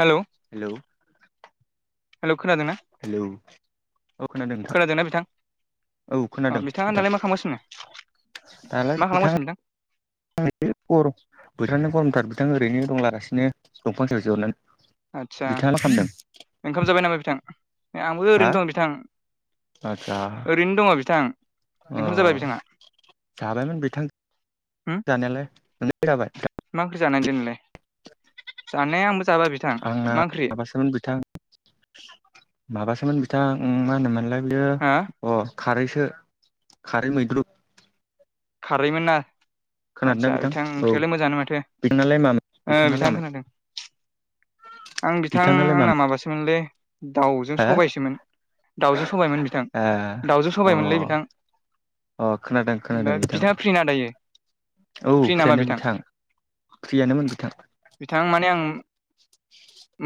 Hello hello hello खोनादोंना hello औ खोनादों नोंथां खोनादोंना बिथां औ अ खोनादों बिथाङा बिथां दालाय मा खालामगासिनो [unintelligible] दालाय मा बिथाङा खालामगासिनो बिथां आ गरम बथाङानो गरमथार बिथा ओरैनो दंलागासिनो दंफांसेयाव जहरनानै आदसा ओंखाम जाबाय नामा बिथां आंबो हा ओरैनो दं बिथां आदसा ओरैनो दङ बिथां अ ओंखाम जाबाय बिथाङा जाबायमोन बिथां होम जानायालाय ननाय जाबाय मा ओंख्रि जानाय दलाय जानाय आंना माबासोमोन बिथां माबासोमोन बिथां ओम मा होनोमोनलाय बिनो हा अ खारैसो खारै मैद्रु खारैमोन ना खोनादोंना आदसा बिथां औ ओंख्रियालाय मोजाङानो माथोओ बिथांनालाय मामोन बिथांनालाय बिथां मामोन खोनादों आं बिथां बिथांनालाय आंना मामोन माबासोमोनलै दाउजों हो ए सबायसोमोन दाउजों सबायमोन बिथां अ दाउजों सबायमोनलै बिथां अ खोनादों खोनादों बिथां बिथदिाङा फ्रिना दायो औ फ्रि नामा फ्रियानो बिथां फ्रियानोमोन बिथां बिथां माने आं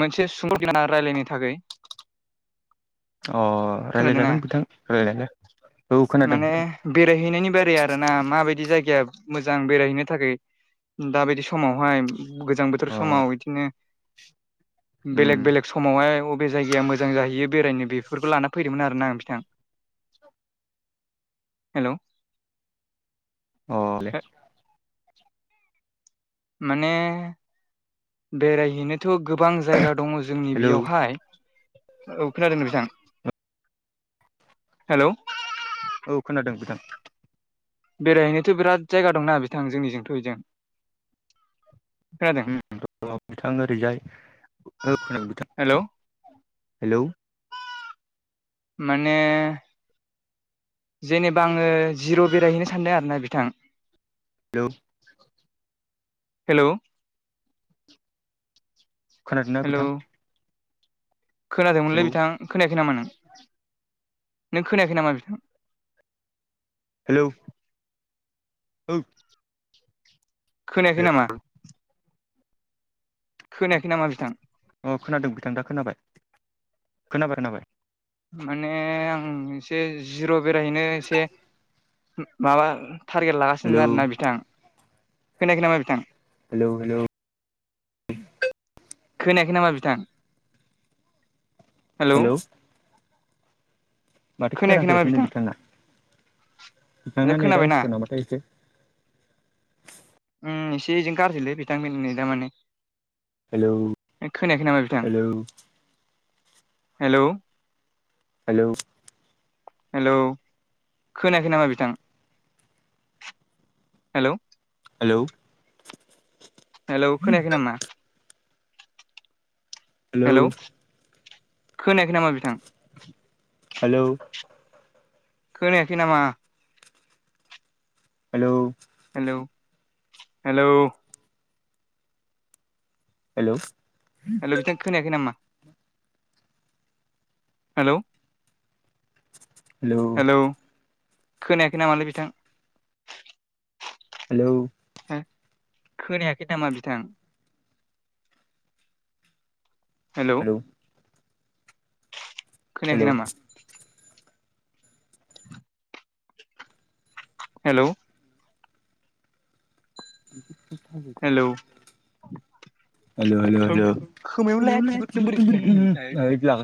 मोनसे सुंद गाना रायलायनो थाखाय अ खोनादोंना रायज्लायजागोन बिथां रायलायलायनो माने बेरायहैनायनि बारै आरोना माबायदि जायगाया मोजां बेरायहैनो थाखाय दााबायदि समावहाय गोजां बोथोर अ समाव बिदिनो उम बेलेग बेलेग समावहाय अबे जायगाया मोजां जाहैयो बेरायनो बेफोरखौ लाना फैदोंमोन आरोना आं बिथां हेल' औले माने बेरायहैनो थ' गोबां जायगा दङ जोंनि हेलौ बेयावहाय औ खोनादों बेां हेल'। औ खोनादों नोंथां बेरायहैनोथ' बिराद जायगा। खोनादों हेलौ [unintelligible] हेलौ। माने। जेनेबा आङो जिर' बेरायहैनो सानदों आरोना नोंथां। औ। हेल'। खोनादोंना हेलौ नोंथां। खोनादोंमोनलै बिथां खोनायाखै नामा नों। नों खोनायाखै नामा बिथां। हेलौ। औ। हेलौ खोनायाखै। अ खोनादों बिथां दा खोनाबाय खोनाबाय खोनाबाय। माने आं एसे जिर' बेरायहैनो एसे माबा। टारगेट हेलौ लागासिनो आरोना बिथां खोनायाखै नामा बिथां। हेलौ हेलौ खोनायाखै नामा बिथां। हेलौ। माथो खोनायाखै नामा खोनाफैासै नै बिथां बिथाङा। खोनाबायना। एसे जोंनि बिथां [unintelligible] माने हेल' हेल' हेल' हेलौ हेलौ खोनाखै नामा बिथां? हेल' हेलौ हेल'खोनायखै नामा? हेलौ खोनायाखै नामा बिथां? हेलौ खोनायाखै नामा? हेलौ हेल' हेल' हेल' बिथां खोनायाखै नामा? हेल' हेल' खोनायाखै नामालैय बिथां? हेलौ खोनायाखै नामा बिथां? हेलौ खोनायाखै नामा? हेलौ हेलौ खोमायाव लाया थिफोरदों बोरै खोनानो [unintelligible]